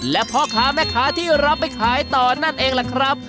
และพ่อค้าแม่ค้าที่รับไปขายต่อนั่นเองล่ะครับ